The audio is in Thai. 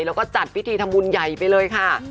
แล้วก็จัดพิธีทำบุญใหญ่ไปเลยค่ะ